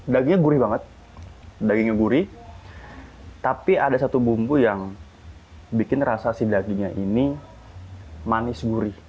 dagingnya gurih banget dagingnya gurih tapi ada satu bumbu yang bikin rasa si dagingnya ini manis gurih